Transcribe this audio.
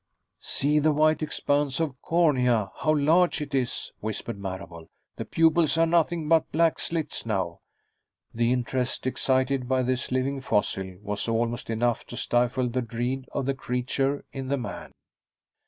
"See the white expanse of cornea, how large it is," whispered Marable. "The pupils are nothing but black slits now." The interest excited by this living fossil was almost enough to stifle the dread of the creature in the man.